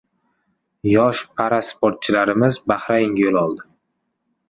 Yosh parasportchilarimiz Bahraynga yo‘l oldi